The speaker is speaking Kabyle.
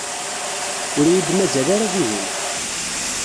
Ur iyi-d-mazal ara dihin.